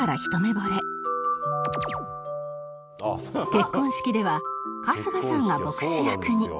結婚式では春日さんが牧師役に